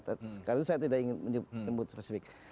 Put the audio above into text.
sekarang saya tidak ingin menyebut spesifik